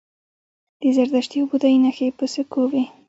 د زردشتي او بودايي نښې په سکو وې